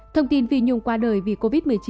thông tin phi nhung qua đời vì covid một mươi chín